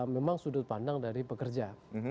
dari penduduk pandang dari pekerja